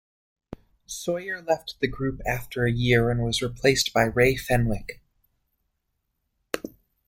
Sawyer left the group after a year and was replaced by Ray Fenwick.